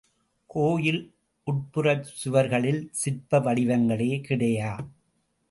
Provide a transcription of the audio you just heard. கோயில் உட்புறச் சுவர்களில் சிற்ப வடிவங்களே கிடையா.